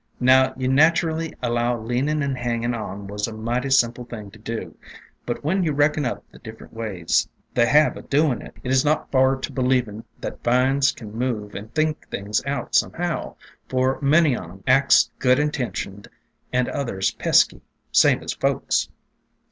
"Now you'd nat' rally allow leanin' and hangin' on was a mighty simple thing to do, but when you reckon up the different ways they have o' doin' it, 't is n't far to believin' that vines can move and think things out somehow, for many on 'em acts good intentioned and others pesky, same as folks.